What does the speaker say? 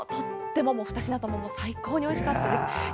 ２品とも最高においしかったです。